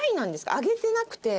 揚げてなくて。